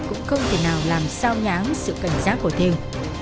cũng không thể nào làm sao nháng sự cảnh sát của thêu